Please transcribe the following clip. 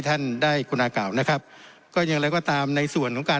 ท่านได้กุณากล่าวนะครับก็อย่างไรก็ตามในส่วนของการ